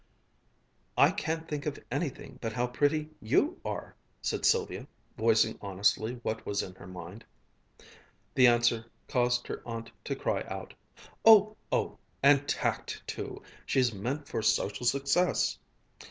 "I can't think of anything but how pretty you are!" said Sylvia, voicing honestly what was in her mind. This answer caused her aunt to cry out: "Oh! Oh! And tact too! She's meant for social success!"